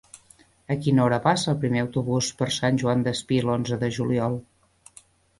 A quina hora passa el primer autobús per Sant Joan Despí l'onze de juliol?